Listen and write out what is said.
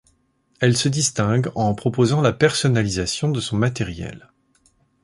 Elle se distingue en proposant la personnalisation de son matériel.